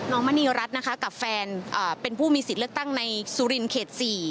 มณีรัฐนะคะกับแฟนเป็นผู้มีสิทธิ์เลือกตั้งในสุรินเขต๔